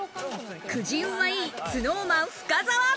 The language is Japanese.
くじ運はいいＳｎｏｗＭａｎ深澤。